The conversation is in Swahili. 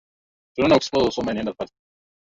kwa urefu Baadhi ya tawimto kuu ambayo